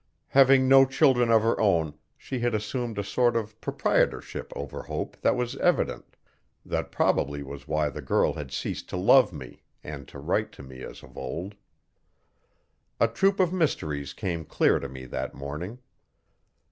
Having no children of her own she had assumed a sort of proprietorship over Hope that was evident that probably was why the girl had ceased to love me and to write to me as of old. A troop of mysteries came clear to me that morning.